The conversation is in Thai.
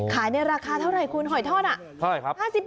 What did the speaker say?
ขายในราคาเท่าไหร่คุณอ่ะหอยทอดเท่าไรครับ